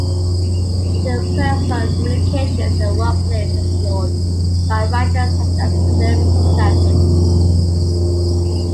Interpersonal communications in the workplace are explored by writers such as Phillip Clampitt.